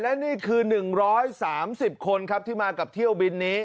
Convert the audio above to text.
และนี่คือ๑๓๐คนครับที่มากับเที่ยวบินนี้